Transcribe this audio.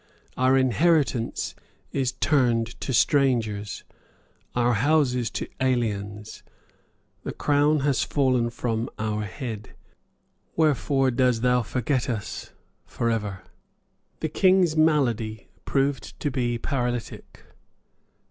Our inheritance is turned to strangers, our houses to aliens; the crown is fallen from our head. Wherefore dose thou forget us for ever?" The King's malady proved to be paralytic.